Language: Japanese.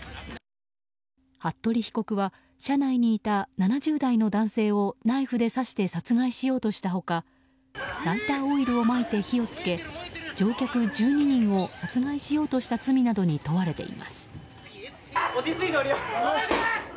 服部被告は車内にいた７０代の男性をナイフで刺して殺害しようとした他ライターオイルをまいて火を付け乗客１２人を殺害しようとした罪などに問われています。